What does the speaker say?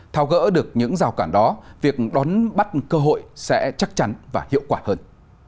thao gỡ được những rào cản đó việc đón bắt cơ hội sẽ chắc chắn và hiệu quả hơn